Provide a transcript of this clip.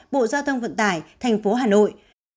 bộ giao thông vận tải thành phố hà nội